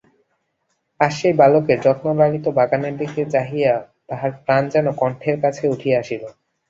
আজ সেই বালকের যত্নলালিত বাগানের দিকে চাহিয়া তাঁহার প্রাণ যেন কণ্ঠের কাছে উঠিয়া আসিল।